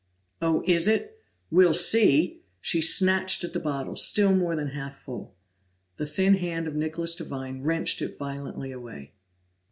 "Oh, it is? We'll see!" She snatched at the bottle, still more than half full. The thin hand of Nicholas Devine wrenched it violently away.